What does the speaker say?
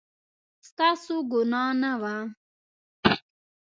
ستاسو ګناه نه وه